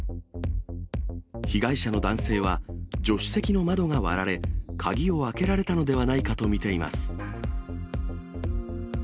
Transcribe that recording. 被害者の男性は、助手席の窓が割られ、鍵を開けられたのではないかと見ています。